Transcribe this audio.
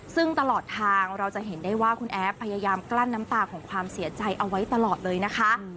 ซึ่งตลอดทางเราจะเห็นได้ว่าคุณแอฟพยายามกลั้นน้ำตาของความเสียใจเอาไว้ตลอดเลยนะคะ